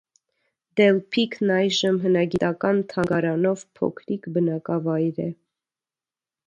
Դելփիքն այժմ հնագիտական թանգարանով փոքրիկ բնակավայր է։